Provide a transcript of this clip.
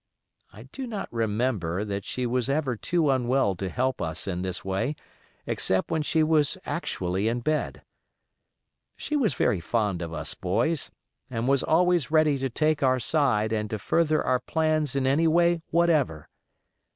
I do not remember that she was ever too unwell to help us in this way except when she was actually in bed. She was very fond of us boys, and was always ready to take our side and to further our plans in any way whatever.